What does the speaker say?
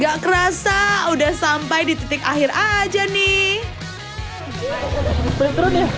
gak kerasa udah sampai di titik akhir aja nih